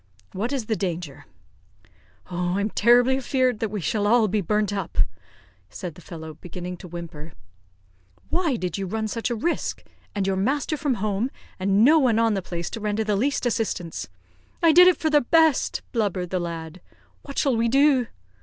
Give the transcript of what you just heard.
"What is the danger?" "Oh, I'm terribly afear'd that we shall all be burnt up," said the fellow, beginning to whimper. "Why did you run such a risk, and your master from home, and no one on the place to render the least assistance?" "I did it for the best," blubbered the lad. "What shall we do?"